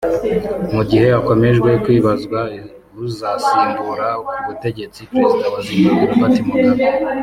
Mu gihe hakomeje kwibazwa uzasimbura ku butegetsi Perezida wa Zimbabwe Robert Mugabe